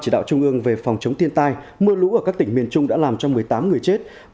chỉ đạo trung ương về phòng chống thiên tai mưa lũ ở các tỉnh miền trung đã làm cho một mươi tám người chết